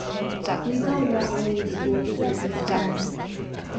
“We don’t want all these fools,” said his friend.